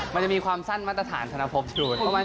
มันจะมีความสั้นมาตรฐานธนภพประมาณ๑๔